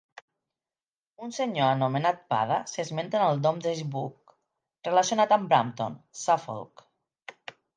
Un senyor anomenat Padda s'esmenta en el Domesday Book, relacionat amb Brampton, Suffolk.